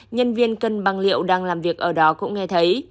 nhân viên cân băng liệu đang làm việc ở đó cũng nghe thấy